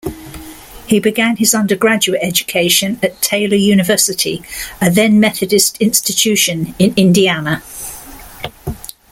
He began his undergraduate education at Taylor University, a then-Methodist institution in Indiana.